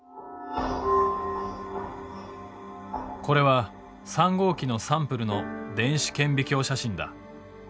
これは３号機のサンプルの電子顕微鏡写真だ。